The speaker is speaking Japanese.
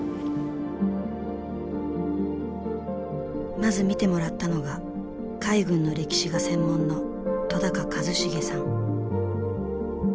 まず見てもらったのが海軍の歴史が専門の戸一成さん。